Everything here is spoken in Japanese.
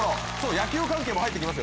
野球関係も入って来ます。